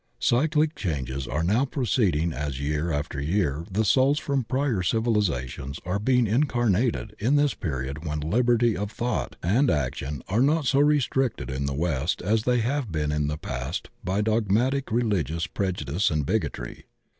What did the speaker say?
Cyclic changes are now proceeding as year after year the souls from prior civilizations are being incarnated in this period when liberty of thought and action are not so restricted in the West as they have been in the past by dogmatic religious prejudice and bigotry.